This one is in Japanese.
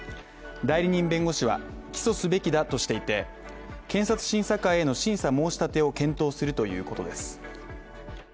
代理人弁護士は起訴すべきだとしていて検察審査会への審査申し立てを検討するということです。